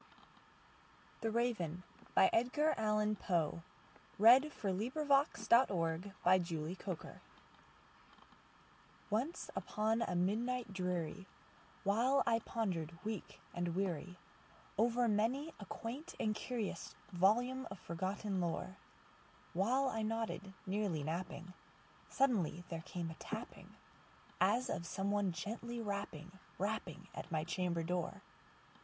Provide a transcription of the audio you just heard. American Verse. 1912. Edgar Allan Poe 1809–1849 Edgar Allan Poe 84 The Raven ONCE upon a midnight dreary, while I pondered, weak and weary, Over many a quaint and curious volume of forgotten lore,—While I nodded, nearly napping, suddenly there came a tapping, As of some one gently rapping, rapping at my chamber door.